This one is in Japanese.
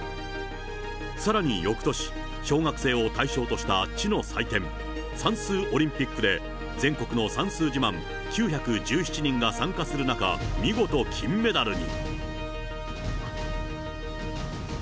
さらに翌年、小学生を対象とした知の祭典、算数オリンピックで、全国の算数自慢９１７人が参加する中、見事、金メダルに。